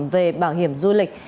về bảo hiểm du lịch